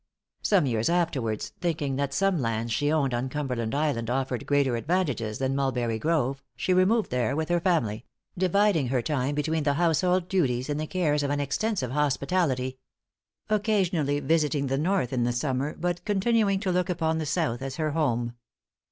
Some years afterwards, thinking that some lands she owned on Cumberland Island offered greater advantages than Mulberry Grove, she removed there with her family; dividing her time between her household duties and the cares of an extensive hospitality; occasionally visiting the North in the summer, but continuing to look upon the south as her home.